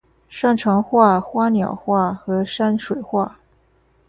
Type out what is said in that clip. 擅长画花鸟画和山水画。